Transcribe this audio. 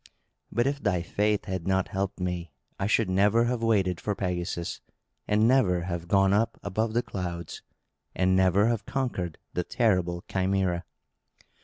"But if thy faith had not helped me, I should never have waited for Pegasus, and never have gone up above the clouds, and never have conquered the terrible Chimæra.